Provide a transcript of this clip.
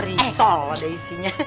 eh risol ada isinya